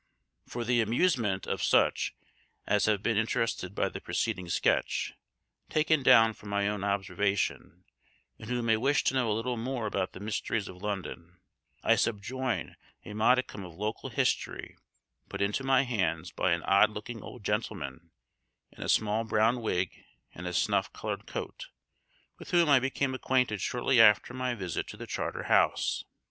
For the amusement of such as have been interested by the preceding sketch, taken down from my own observation, and who may wish to know a little more about the mysteries of London, I subjoin a modicum of local history put into my hands by an odd looking old gentleman, in a small brown wig and a snuff colored coat, with whom I became acquainted shortly after my visit to the Charter House.